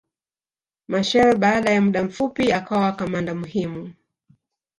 Machel baada ya muda mfupi akawa kamanda muhimu